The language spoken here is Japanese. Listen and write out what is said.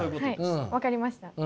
あっ分かりました。